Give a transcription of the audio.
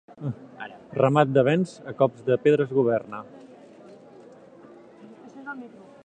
Ramat de bens, a cops de pedra es governa.